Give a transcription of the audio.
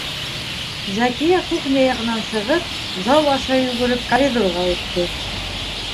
Зәкиә, кухня яғынан сығып, зал аша йүгереп, коридорға үтте.